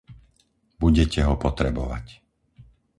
Budete ho potrebovať.